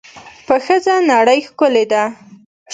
په ښځه نړۍ ښکلې ده.